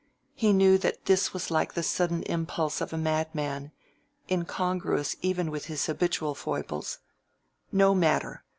He knew that this was like the sudden impulse of a madman—incongruous even with his habitual foibles. No matter!